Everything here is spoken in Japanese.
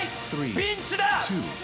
ピンチだ！